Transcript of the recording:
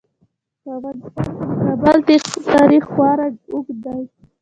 په افغانستان کې د کابل تاریخ خورا ډیر اوږد دی.